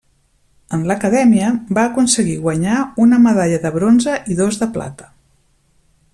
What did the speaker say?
En l'acadèmia va aconseguir guanyar una medalla de bronze i dos de plata.